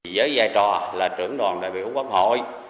với giai trò là trưởng đoàn đại biểu quốc hội